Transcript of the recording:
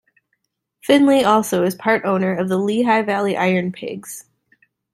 Finley also is part owner of the Lehigh Valley IronPigs.